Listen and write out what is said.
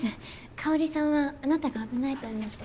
香さんはあなたが危ないと思って。